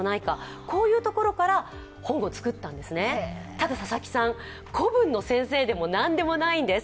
ただ佐々木さん、古文の先生でも何でもないんです。